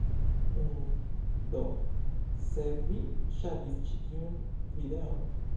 Um... do, se vi ŝatis ĉi tiun... videon?